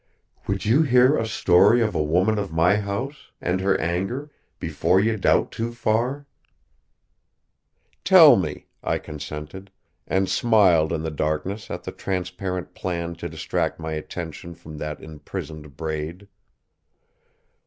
"Would you hear a story of a woman of my house, and her anger, before you doubt too far?" "Tell me," I consented; and smiled in the darkness at the transparent plan to distract my attention from that imprisoned braid.